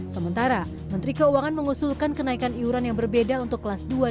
sementara menteri keuangan mengusulkan kenaikan iuran yang berbeda untuk kelas dua